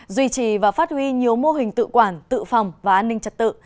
duy trì và phát huy nhiều mô hình tự quản tự phòng và an ninh trật tự